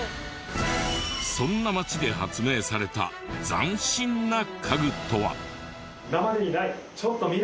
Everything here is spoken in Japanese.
そんな町で発明された斬新な家具とは？